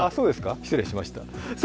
失礼しました。